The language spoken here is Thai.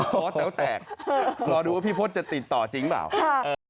หอแต๋วแตกรอดูว่าพี่พศจะติดต่อจริงหรือเปล่า